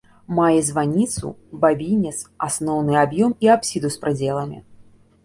Мае званіцу, бабінец, асноўны аб'ём і апсіду з прыдзеламі.